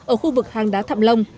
ở khu vực hàng đá thạm lông